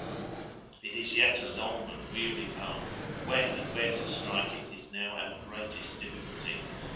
"It is yet a long and weary path, and when and where to strike it is now our greatest difficulty.